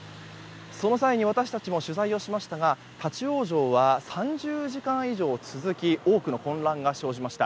その際に私たちも取材をしましたが立ち往生は、３０時間以上続き多くの混乱が生じました。